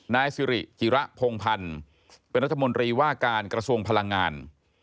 นายสิริจิระพงพันธ์เป็นรัฐมนตรีว่าการกระทรวงพลังงาน